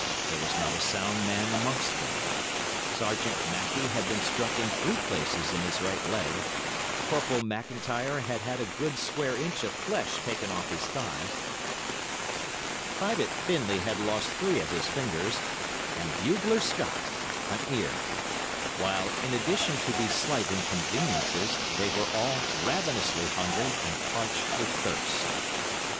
There was not a sound man amongst them. Sergeant Mackay had been struck in three places in his right leg; Corporal MacIntyre had had a good square inch of flesh taken off his thigh; Private Findlay had lost three of his fingers; and Bugler Scott—an ear; while, in addition to these slight inconveniences, they were all ravenously hungry and parched with thirst.